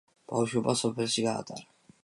ბავშვობა სოფელში გაატარა.